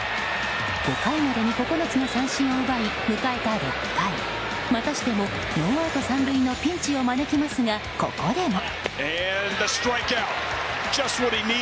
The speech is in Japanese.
５回までに９つの三振を奪い迎えた６回またしてもノーアウト３塁のピンチを招きますが、ここでも。